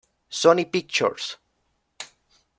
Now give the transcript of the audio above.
Sony Pictures